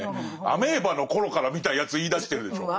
「アメーバの頃から」みたいなやつ言いだしてるでしょ。